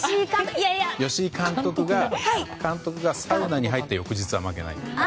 吉井監督がサウナに入った翌日は負けない。